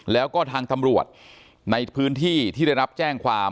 แล้วก็ทางตำรวจในพื้นที่ที่ได้รับแจ้งความ